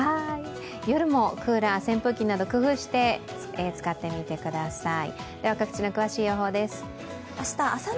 夜もクーラー、扇風機など工夫して使ってみてください。